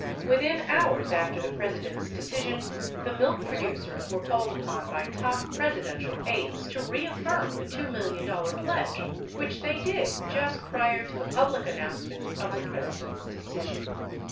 Within hours after the President's decision, the milk producers were called upon by top Presidential aides to reaffirm the $2 million pledge which they did just prior to the public announcement of the President's decision.